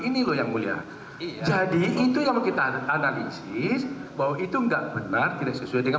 ini loh yang mulia jadi itu yang kita analisis bahwa itu enggak benar tidak sesuai dengan